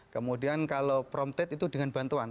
kemudian kalau prompted itu dengan bantuan